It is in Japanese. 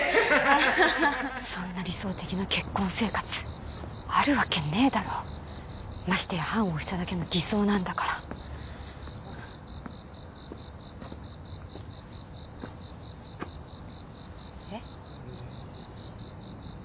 ハハハハそんな理想的な結婚生活あるわけねーだろましてや判を捺しただけの偽装なんだからえっ！？